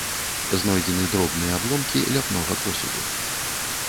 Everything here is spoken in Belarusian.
Знойдзены дробныя абломкі ляпнога посуду.